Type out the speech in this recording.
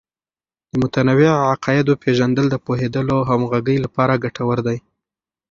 د متنوع عقایدو پیژندل د پوهیدلو او همغږۍ لپاره ګټور دی.